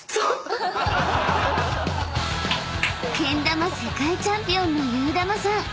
［けん玉世界チャンピオンのゆーだまさん］